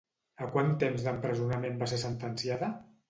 A quant temps d'empresonament va ser sentenciada?